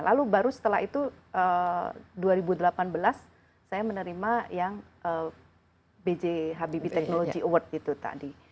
lalu baru setelah itu dua ribu delapan belas saya menerima yang bj habibie technology award itu tadi